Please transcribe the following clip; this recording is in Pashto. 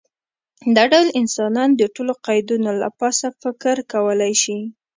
دا ډول انسان د ټولو قیدونو له پاسه فکر کولی شي.